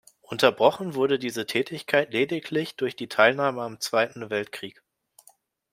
Unterbrochen wurde diese Tätigkeit lediglich durch die Teilnahme am Zweiten Weltkrieg.